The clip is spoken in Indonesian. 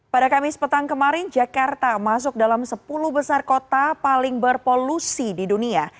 pada kamis petang kemarin jakarta masuk dalam sepuluh besar kota paling berpolusi di dunia